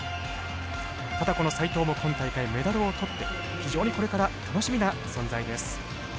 ただこの齋藤も今大会メダルを取って非常にこれから楽しみな存在です。